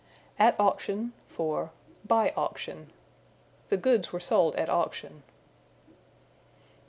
At Auction for by Auction. "The goods were sold at auction."